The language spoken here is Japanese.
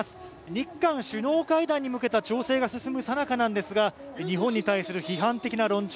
日韓首脳会談に向けた調整が進むさなかなんですが日本に対する批判的な論調